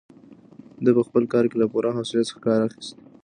ده په خپل کار کې له پوره حوصلې څخه کار اخیست.